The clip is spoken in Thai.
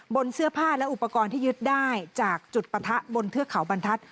บนเสื้อผ้าและอุปกรณ์ที่ยึดได้จากจุดปะทะบนเทือกเขาบรรทัศน